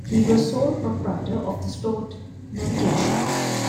He was sole proprietor of the Stort Navigation.